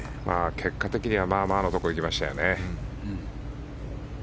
結果的にはまあまあなところにいきましたね。